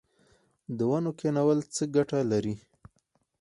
د ونو کینول څه ګټه لري؟